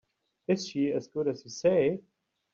Is she as good as you say?